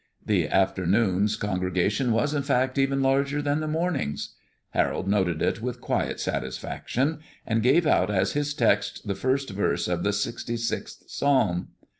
The afternoon's congregation was, in fact, even larger than the morning's. Harold noted it with quiet satisfaction, and gave out as his text the first verse of the sixty sixth Psalm.